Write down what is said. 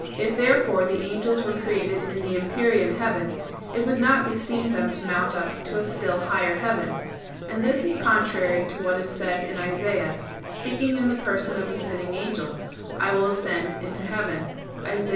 If therefore the angels were created in the empyrean heaven, it would not beseem them to mount up to a still higher heaven. And this is contrary to what is said in Isaias, speaking in the person of the sinning angel: "I will ascend into heaven" (Isa.